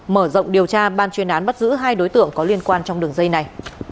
mở rộng điều tra ban chuyên án bắt giữ hai đối tượng có liên quan trong đường dây này